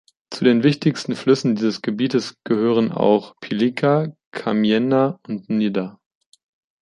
Zu den wichtigsten Flüssen dieses Gebietes gehören auch Pilica, Kamienna und Nida.